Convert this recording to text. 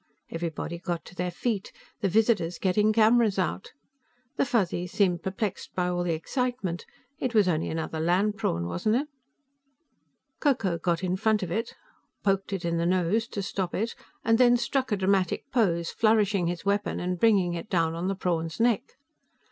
Everybody got to their feet, the visitors getting cameras out. The Fuzzies seemed perplexed by all the excitement. It was only another land prawn, wasn't it? Ko Ko got in front of it, poked it on the nose to stop it and then struck a dramatic pose, flourishing his weapon and bringing it down on the prawn's neck.